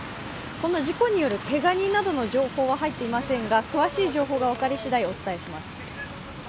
この事故によるけが人などの情報は入っていませんが、詳しい情報が分かり次第、お伝えします。